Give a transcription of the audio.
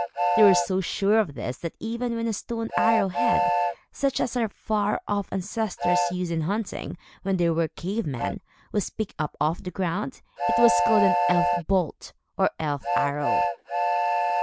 They were so sure of this, that even when a stone arrow head such as our far off ancestors used in hunting, when they were cave men was picked up off the ground, it was called an "elf bolt," or "elf arrow."